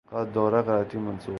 کا دورہ کراچی منسوخ